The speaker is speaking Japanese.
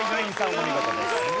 お見事です。